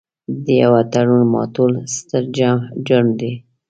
د یوه تړون ماتول ستر جرم دی.